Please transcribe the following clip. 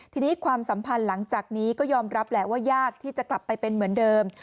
ทีนี้ความสัมพันธ์หลังจากนี้ก็ยอมรับแหละว่ายากที่จะกลับไปเป็นเหมือนเดิม